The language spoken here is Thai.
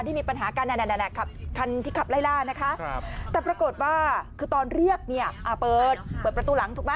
มีปัญหากันคันที่ขับไล่ล่านะคะแต่ปรากฏว่าคือตอนเรียกเนี่ยเปิดเปิดประตูหลังถูกไหม